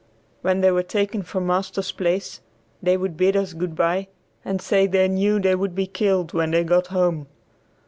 When they were taken from master's place, they would bid us good bye and say they knew they should be killed when they got home.